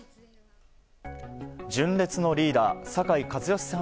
純烈のリーダー酒井一圭さん